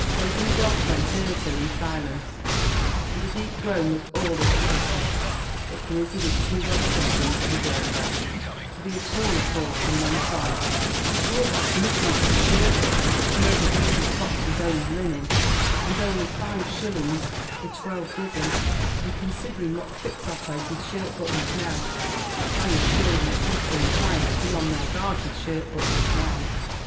Lady Maclaughlan heard her in silence, and a deep groan was all that she uttered; but Grizzy was too well accustomed to be groaned at, to be at all appalled, and went on, "But all that's nothing to the shirt buttons, made of Mrs. Fox's own linen, and only five shillings the twelve dozen; and considering what tricks are played with shirt buttons now I assure you people require to be on their guard with shirt buttons now."